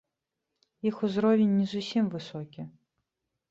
Іх узровень не зусім высокі.